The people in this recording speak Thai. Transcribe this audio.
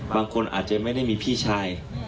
บางคนอาจจะไม่ได้มีพี่ชาย